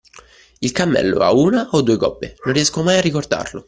Il cammello ha una o due gobbe? Non riesco mai a ricordarlo.